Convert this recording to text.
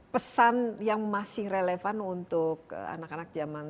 pembicara mengenai beberapa temen ter yelling